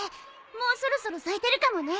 もうそろそろ咲いてるかもね。